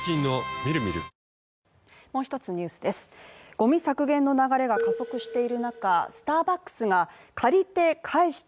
ゴミ削減の流れが不足している中、スターバックスが借りて・